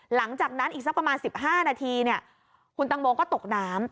หลังจากนั้นอีกสักประมาณ๑๕นาทีคุณตังโมก็ตกน้ำ